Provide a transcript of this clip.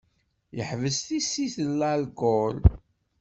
Yeḥbes tissit n larkul.